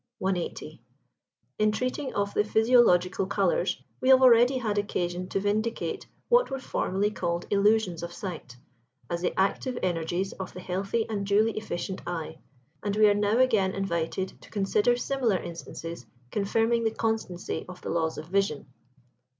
180. In treating of the physiological colours, we have already had occasion to vindicate what [Pg 75] were formerly called illusions of sight, as the active energies of the healthy and duly efficient eye (2), and we are now again invited to consider similar instances confirming the constancy of the laws of vision.